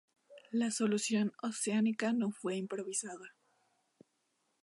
La solución oceánica no fue improvisada.